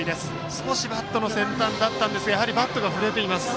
少しバットの先端だったんですがやはりバットが振れています。